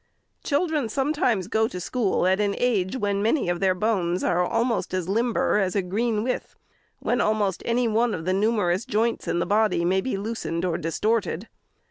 Children sometimes go to school at an age when many of their bones are almost as limber as a green with, when almost any one of the numerous joints in the body may be loosened or distorted.